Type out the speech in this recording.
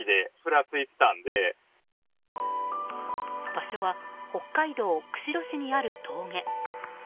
場所は北海道釧路市にある峠。